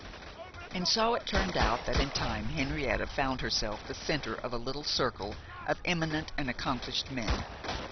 And so it turned out that in time Henrietta found herself the centre of a little circle of eminent and accomplished men.